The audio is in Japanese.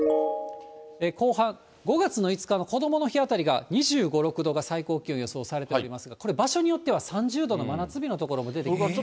後半、５月の５日のこどもの日あたりが２５、６度が最高気温、予想されておりますが、これ、場所によっては３０度の真夏日の所も出てきます。